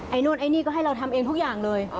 นู่นไอ้นี่ก็ให้เราทำเองทุกอย่างเลย